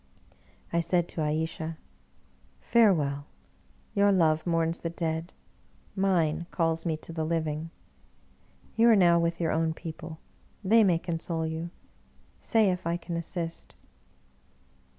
I said to Ayesha, " Farewell ! your love mourns the dead, mine calls me to the living. You are now with your own people, they may console you — say if I can assist.'